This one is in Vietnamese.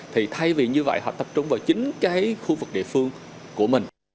thì thay vì như vậy họ tập trung vào chính cái khu vực địa phương của mình